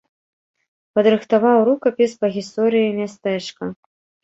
Падрыхтаваў рукапіс па гісторыі мястэчка.